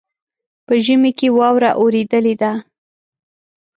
په ژمي کې واوره اوریدلې ده.